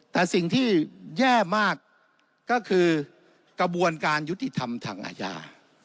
แต่สิ่งที่แย่มากก็คือกระบวนการยุติธรรมทางอาญา